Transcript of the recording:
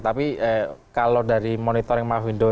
tapi kalau dari monitoring mafindo